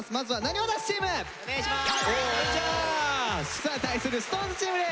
さあ対するＳｉｘＴＯＮＥＳチームです。